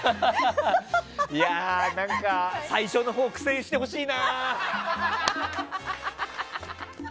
最初のほうは苦戦してほしいな。